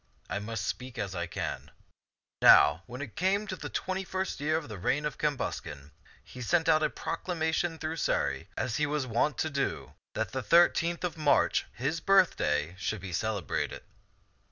I must speak as I can. Z^t ^^utre'0 tak 165 Now when it came to the twenty first year of the reign of Cambuscan, he sent out a proclamation through Sarray, as he was wont to do, that the thir teenth of March, his birthday, should be celebrated.